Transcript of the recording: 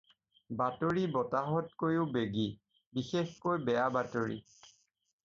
বাতৰি বতাহতকৈও বেগী-বিশেষকৈ বেয়া বাতৰি।